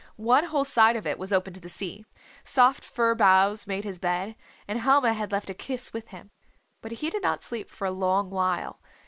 One whole side of it was open to the sea. Soft fir boughs made his bed, and Helma had left a kiss with him. But he did not sleep for a long while.